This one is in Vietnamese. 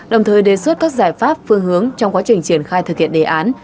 đồng thời đề xuất các giải pháp phương hướng trong quá trình triển khai thực hiện đề án